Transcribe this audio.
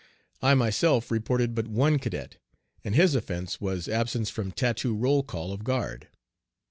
I myself reported but one cadet, and his offence was "Absence from tattoo roll call of guard."